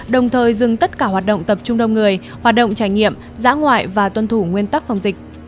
đồng thời dừng tất cả hoạt động tập trung đông người hoạt động trải nghiệm dã ngoại và tuân thủ nguyên tắc phòng dịch